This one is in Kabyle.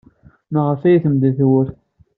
Maɣef ay temdel tewwurt?